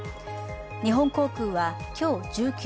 日本航空は今日１９